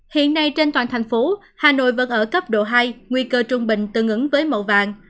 hiện nay trên toàn thành phố hà nội vẫn ở cấp độ hai nguy cơ trung bình tương ứng với màu vàng